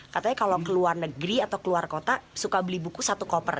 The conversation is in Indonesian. katanya kalau keluar negeri atau keluar kota suka beli buku satu koper